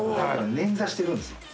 「捻挫してるんです」